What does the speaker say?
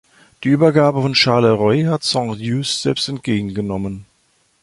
Die Übergabe von Charleroi hat Saint-Just selbst entgegengenommen.